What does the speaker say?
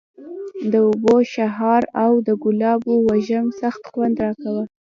د اوبو شرهار او د ګلابو وږم سخت خوند راکاوه.